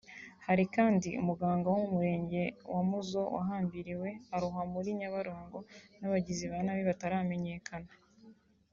Hari kandi umuganga wo mu Murenge wa Muzo wahambiriwe arohwa muri Nyabarongo n'abagizi ba nabi bataramenyekana